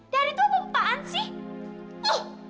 daddy tuh apaan sih